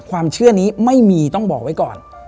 ความเชื่อนี้ไม่มีต้องบอกไว้ก่อน